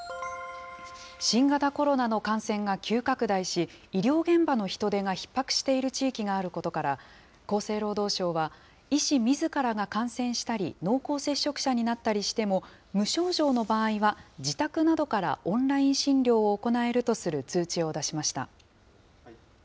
新型コロナの感染が急拡大し、医療現場の人手がひっ迫している地域があることから、厚生労働省は、医師みずからが感染したり、濃厚接触者になったりしても、無症状の場合は自宅などからオンライン診療を行えるとする通知を出しました。